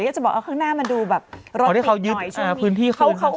ก็จะบอกเอาข้างหน้ามาดูแบบรถปิดหน่อยพื้นที่คือเขาเขา